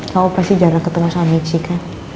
kamu pasti jarak ketemu sama michi kan